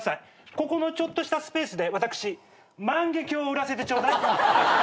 ここのちょっとしたスペースで私万華鏡を売らせてちょうだい。